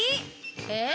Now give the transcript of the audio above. えっ？